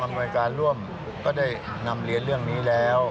หน่วยการร่วมก็ได้นำเรียนเรื่องนี้แล้ว